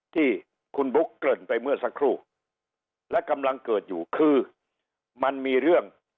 ที่คุณบุ๊คเกริ่นไปเมื่อสักครู่และกำลังเกิดอยู่คือมันมีเรื่อง